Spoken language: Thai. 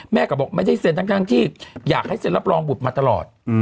แม่ก็บอกไม่ได้เซ็นทั้งที่อยากให้เซ็นรับรองบุตรมาตลอด